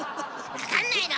分かんないの？